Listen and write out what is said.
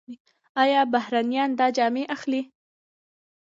آیا بهرنیان دا جامې اخلي؟